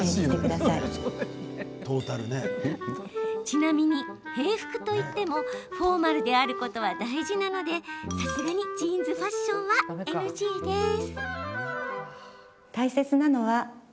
ちなみに、平服といってもフォーマルであることは大事なので、さすがにジーンズファッションはＮＧです。